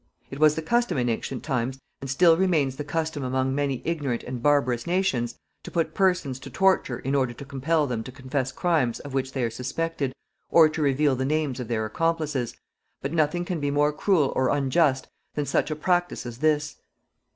It was the custom in ancient times, and it still remains the custom among many ignorant and barbarous nations, to put persons to torture in order to compel them to confess crimes of which they are suspected, or to reveal the names of their accomplices, but nothing can be more cruel or unjust than such a practice as this.